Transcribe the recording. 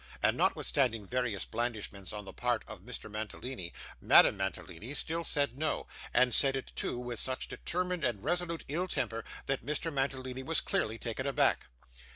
And notwithstanding various blandishments on the part of Mr. Mantalini, Madame Mantalini still said no, and said it too with such determined and resolute ill temper, that Mr. Mantalini was clearly taken aback.